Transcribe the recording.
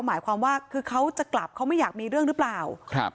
หมายความว่าคือเขาจะกลับเขาไม่อยากมีเรื่องหรือเปล่าครับ